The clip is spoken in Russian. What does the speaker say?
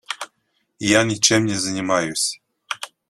Я ничем не занимаюсь.